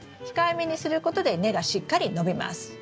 控えめにすることで根がしっかり伸びます。